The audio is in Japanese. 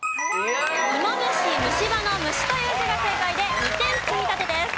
芋虫虫歯の「虫」という字が正解で２点積み立てです。